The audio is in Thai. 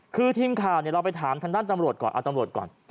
คือทีมข่าวเราไปถามทางด้านตำรวจก่อนเอาตำรวจก่อน